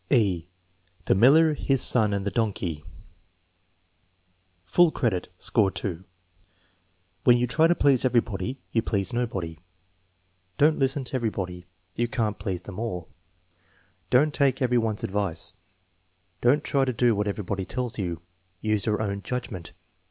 (e) The Miller, His Son, and the Donkey Full credit; score 2. "When you try to please everybody you please nobody." "Don't listen to everybody; you can't please them all." "Don't take every one's advice." "Don't try to do what everybody tells you." "Use your own judgment."